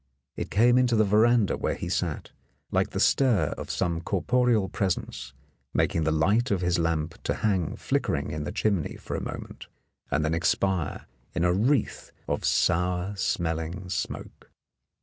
It came into the veranda where he sat, like the stir of some corporeal presence, making the light of his lamp to hang flickering in the chimney for a moment, and then expire in a wreath of sour smelling smoke.